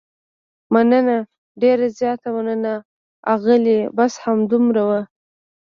مننه، ډېره زیاته مننه، اغلې، بس همدومره و.